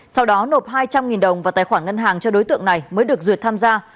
sau đó nộp hai trăm linh đồng vào tài khoản ngân hàng cho đối tượng này mới được duyệt tham gia